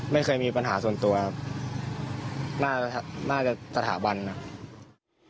ไม่เคยมีปัญหาส่วนตัวครับน่าจะน่าจะสถาบันนะครับ